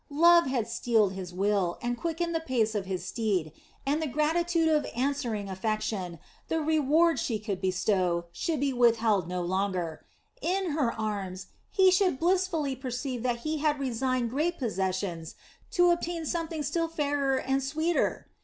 Love had steeled his will and quickened the pace of his steed, and the gratitude of answering affection, the reward she could bestow, should be withheld no longer. In her arms he should blissfully perceive that he had resigned great possessions to obtain something still fairer and sweeter!